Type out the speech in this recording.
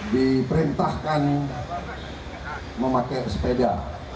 diperintahkan memakai sepeda